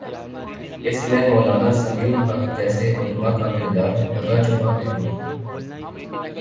اس میں مولانا سمیع الحق جیسے علماء کا کردار ڈھکا چھپا نہیں۔